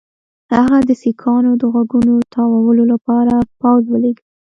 هغه د سیکهانو د غوږونو تاوولو لپاره پوځ ولېږه.